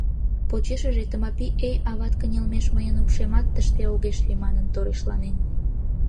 Почешыже Тымапий «Эй, ават кынелмеш мыйын упшемат тыште огеш лий» манын торешланен.